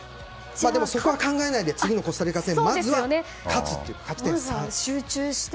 そこは考えないで次のコスタリカ戦、まずは勝つっていう、勝ち点３を。